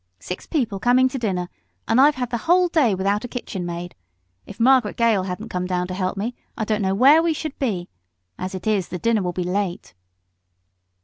Six people coming to dinner, and I've been the whole day without a kitchen maid. If Margaret Gale hadn't come down to help me, I don't know where we should be; as it is, the dinner will be late."